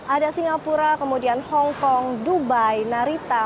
ada singapura kemudian hongkong dubai narita